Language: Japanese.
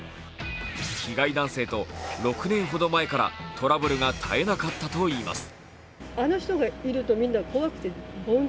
被害男性と６年ほど前からトラブルが絶えなかったといいます。